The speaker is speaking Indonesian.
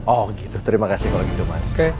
oh gitu terima kasih kalau gitu mas